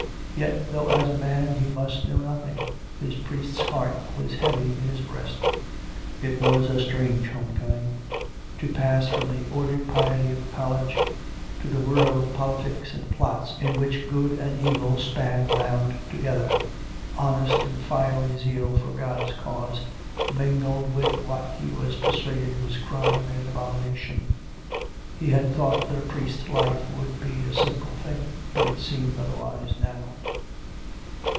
Yet, though as a man he must know nothing, his priest's heart was heavy in his breast. It was a strange home coming — to pass from the ordered piety of the college: to the whirl of politics and plots in which good and evil span round together — honest and fiery zeal for God's cause, mingled with what he was persuaded was crime and abomination. He had thought that a priest's life would be a simple thing, but it seemed otherwise now.